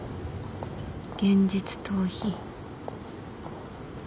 現実逃避